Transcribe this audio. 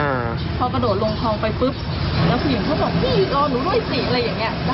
อ่าพอกระโดดลงคลองไปปุ๊บแล้วผู้หญิงเขาบอกพี่รอหนูหน่อยสิอะไรอย่างเงี้ย